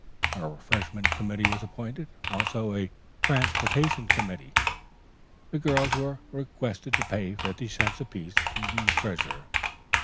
A refreshment committee was appointed, also a transportation committee. The girls were requested to pay fifty cents apiece to the treasurer.